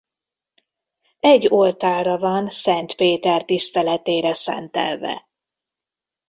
Egy oltára van Szent Péter tiszteletére szentelve.